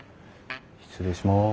失礼します。